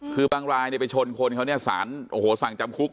อยู่บ้างรายไปชนคนเขาสารจำคุก